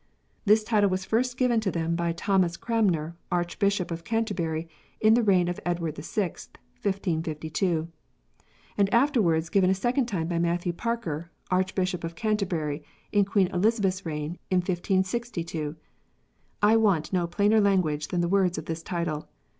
This title was first given to them by Thomas Cranmer, Archbishop of Canterbury, in the reign of Edward VI., 1552 ; and afterwards given a second time by Matthew Parker, Archbishop of Canter bury, in Queen Elizabeth s reign, in 1562. I want no plainer language than the words of this title.